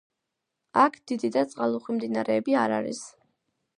აქ დიდი და წყალუხვი მდინარეები არ არის.